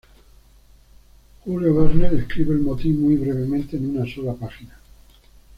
Jules Verne describe el motín muy brevemente en una sola página.